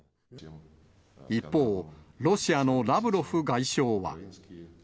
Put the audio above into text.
一方、ロシアのラブロフ外相は。